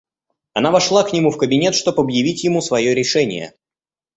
Она вошла к нему в кабинет, чтоб объявить ему свое решение.